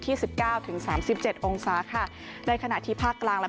สิบเก้าถึงสามสิบเจ็ดองศาค่ะในขณะที่ภาคกลางและ